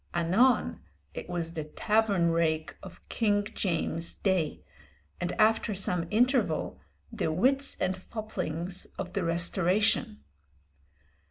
Anon it was the tavern rake of King James' day, and after some interval, the wits and foplings of the Restoration.